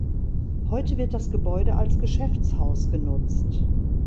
Heute wird das Gebäude als Geschäftshaus genutzt.